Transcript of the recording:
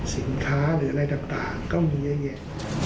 สินค้าหรืออะไรต่างก็มีเยอะ